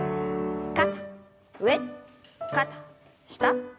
肩上肩下。